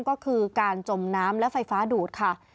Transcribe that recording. ก็คือการจมน้ำและไฟฟ้าดูดค่ะ